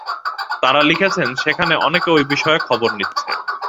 তাঁরা লিখেছেন, সেখানে অনেকে ঐ বিষয়ে খবর নিচ্ছে।